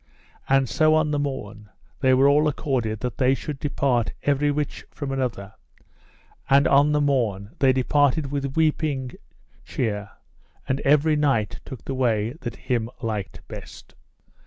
And so on the morn they were all accorded that they should depart everych from other; and on the morn they departed with weeping cheer, and every knight took the way that him liked best.